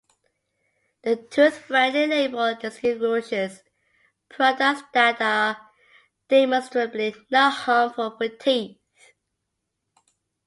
The Toothfriendly label distinguishes products that are demonstrably not harmful for teeth.